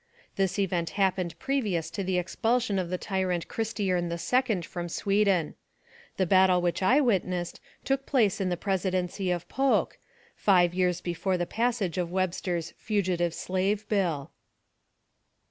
This event happened previous to the expulsion of the tyrant Christiern the Second from Sweden." The battle which I witnessed took place in the Presidency of Polk, five years before the passage of Webster's Fugitive Slave Bill.